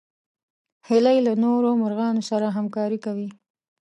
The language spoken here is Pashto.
هیلۍ له نورو مرغانو سره همکاري کوي